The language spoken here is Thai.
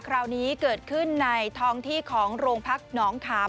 คราวนี้เกิดขึ้นในท้องที่ของโรงพักหนองขาม